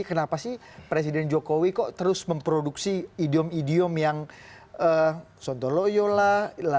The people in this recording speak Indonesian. kenapa sih presiden jokowi kok terus memproduksi idiom idiom yang sontoloyo lah